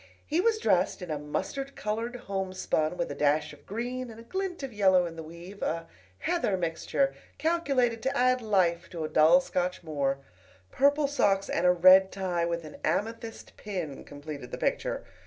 He was dressed in a mustard colored homespun, with a dash of green and a glint of yellow in the weave, a "heather mixture" calculated to add life to a dull Scotch moor. Purple socks and a red tie, with an amethyst pin, completed the picture.